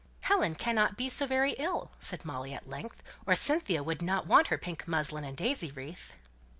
"Helen cannot be so very ill," said Molly at length, "or Cynthia would not want her pink muslin and daisy wreath."